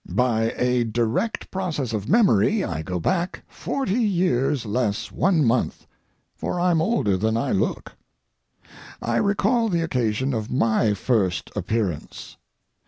By a direct process of memory I go back forty years, less one month—for I'm older than I look. I recall the occasion of my first appearance.